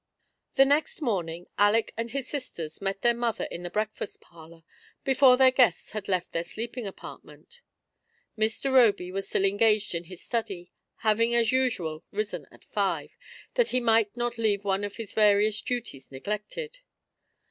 HE next morning Aleck and his sisters met their mother in the breakfast parlour before their guests had left their sleeping apartment. Mr. Roby was stUl engaged in his study, ha^ang as usual risen at five, that he might not leave one of his various duties neglected.